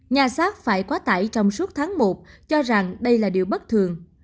nhà sát phải quá tải trong suốt tháng một cho rằng đây là điều bất thường